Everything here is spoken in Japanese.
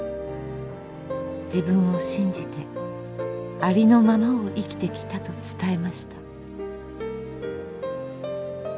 自分を信じてありのままを生きてきたと伝えました。